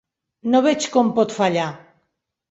No veig com pot fallar.